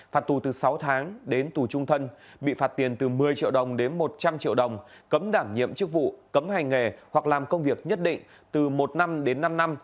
phạt tù từ sáu tháng đến tù trung thân bị phạt tiền từ một mươi triệu đồng đến một trăm linh triệu đồng cấm đảm nhiệm chức vụ cấm hành nghề hoặc làm công việc nhất định từ một năm đến năm năm